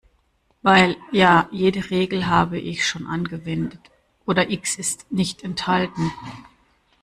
Weil, ja, jede Regel habe ich schon angewendet oder X ist nicht enthalten.